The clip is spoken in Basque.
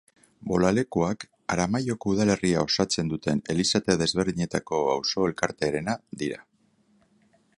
Bolalekuak, Aramaioko udalerria osatzen duten elizate desberdinetako auzo-elkartearena dira.